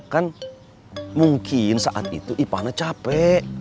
kan mungkin saat itu ipana capek